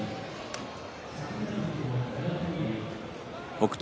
北勝